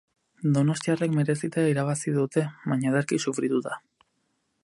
Donostiarrek merezita irabazi dute, baina ederki sufrituta.